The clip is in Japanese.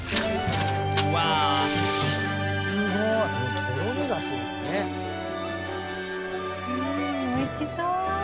うんおいしそう！